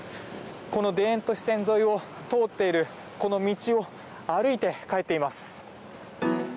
この田園都市線沿いを通っているこの道を歩いて帰っています。